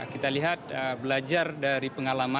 kita lihat belajar dari pengalaman